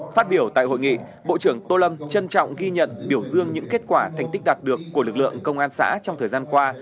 phát biểu tại hội nghị bộ trưởng tô lâm trân trọng ghi nhận biểu dương những kết quả thành tích đạt được của lực lượng công an xã trong thời gian qua